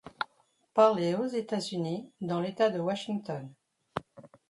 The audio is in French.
Parlée aux États-Unis, dans l'État de Washington.